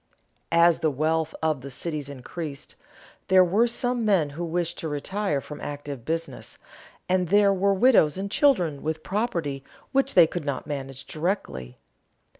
As the wealth of the cities increased, there were some men who wished to retire from active business, and there were widows and children with property which they could not manage directly.